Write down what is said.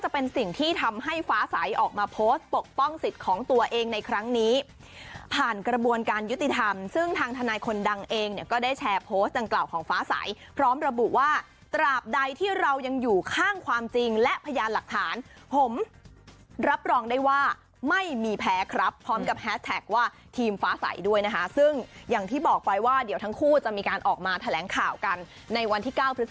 ผ่านกระบวนการยุติธรรมซึ่งทางธนายคนนางเองเนี่ยก็ได้แชร์โพสต์ดังกล่าวของฟ้าสัยพร้อมระบุว่าตราบใดที่เรายังอยู่ข้างความจริงและพยานหลักฐานผมรับรองได้ว่าไม่มีแพ้ครับพร้อมกับแฮสแท็กว่าทีมฟ้าสัยด้วยนะคะซึ่งอย่างที่บอกไปว่าเดี๋ยวทั้งคู่จะมีการออกมาแถลงข่าวกันในวันที่๙